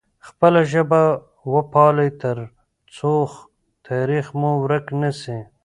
خپله ژبه وپالئ ترڅو تاریخ مو ورک نه سي.